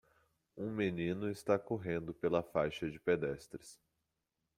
Um menino está correndo pela faixa de pedestres.